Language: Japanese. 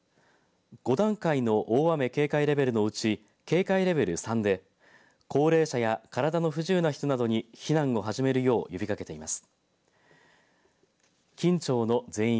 ５段階の大雨警戒レベルのうち警戒レベル３で高齢者や体の不自由な人などに避難を始めるよう呼びかけています。